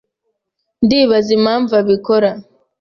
Ndibaza impamvu abikora.